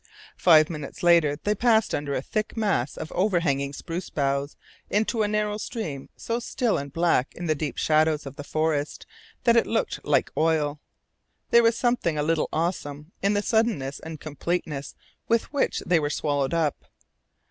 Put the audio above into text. Five minutes later they passed under a thick mass of overhanging spruce boughs into a narrow stream so still and black in the deep shadows of the forest that it looked like oil. There was something a little awesome in the suddenness and completeness with which they were swallowed up.